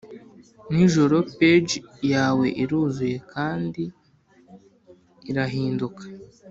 nijoro page yawe iruzuye, kandi irahinduka